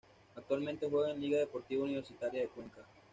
Actualmente juega en Liga Deportiva Universitaria de Cuenca.